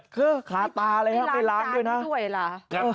คือขาตาเลยไปล้างด้วยนะไม่ล้างจานก็ด่วยล่ะ